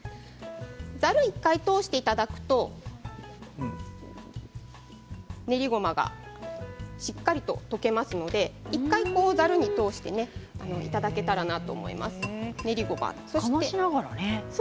ざるに１回、通していただくと練りごまがしっかりと溶けますので１回ざるに通していただけたらなと思います。